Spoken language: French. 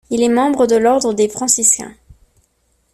Il est membre de l'ordre des Franciscains.